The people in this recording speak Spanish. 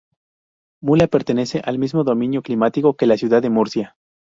Mula pertenece al mismo dominio climático que la ciudad de Murcia.